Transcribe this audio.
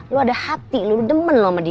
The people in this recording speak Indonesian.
lu ada hati lu demen sama dia